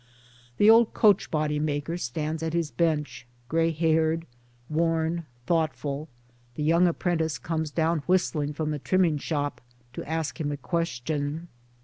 The old coach body maker stands at his bench, grey haired, worn, thoughtful — the young apprentice comes down whistling from the trimming shop to ask him a question.